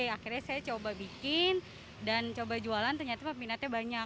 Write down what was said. akhirnya saya coba bikin dan coba jualan ternyata peminatnya banyak